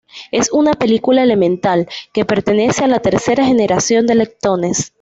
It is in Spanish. Es una partícula elemental, que pertenece a la tercera generación de leptones.